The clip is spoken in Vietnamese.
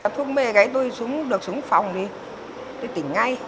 thuốc mề gáy tôi được xuống phòng đi tôi tỉnh ngay